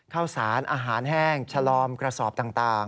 ข้าวสารอาหารแห้งชะลอมกระสอบต่าง